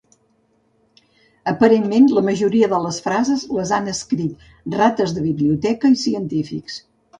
Aparentment, la majoria de les frases les han escrit rates de biblioteca i científics.